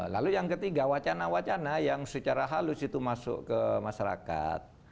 lalu yang ketiga wacana wacana yang secara halus itu masuk ke masyarakat